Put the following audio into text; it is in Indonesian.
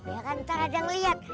ya kan ntar ada yang lihat